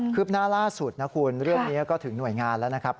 ืบหน้าล่าสุดนะคุณเรื่องนี้ก็ถึงหน่วยงานแล้วนะครับ